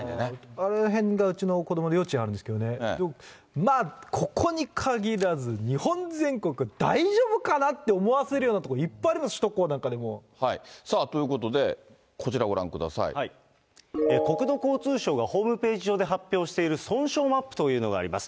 あの辺が、うちの子どもの幼稚園あるんですけどね、まあ、ここに限らず、日本全国、だいじょぶかなって思わせるような所いっぱいあります、首都高なさあ、ということで、こちら国土交通省がホームページ上で発表している損傷マップというのがあります。